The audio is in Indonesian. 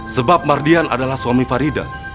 sebab mardian adalah suami farida